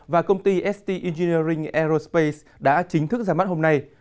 và công ty st eginering aerospace đã chính thức ra mắt hôm nay